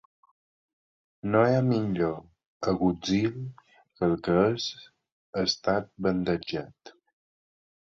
No hi ha millor agutzil que el que és estat bandejat.